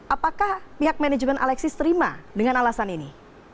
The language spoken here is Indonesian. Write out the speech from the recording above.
apakah pihak manajemen alexis terima dengan alasan ini